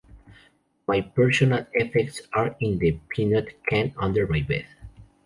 My personal effects are in the peanut can under my bed.